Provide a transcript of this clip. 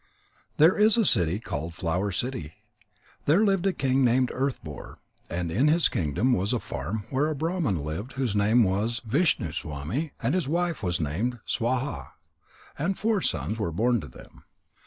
There is a city called Flower city. There lived a king named Earth boar. In his kingdom was a farm where a Brahman lived whose name was Vishnuswami. His wife was named Swaha. And four sons were born to them.